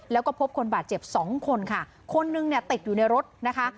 แล้วก็พบคนบาดเจ็บ๒คนค่ะคนนึงติดอยู่รถนะคะ